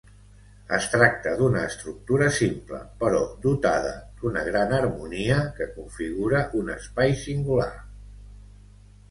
Es tracta d'una estructura simple, però dotada d'una gran harmonia, que configura un espai singular.